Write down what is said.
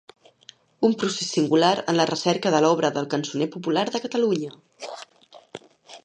Un procés singular en la recerca de l'Obra del Cançoner Popular de Catalunya.